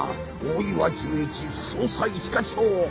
大岩純一捜査一課長。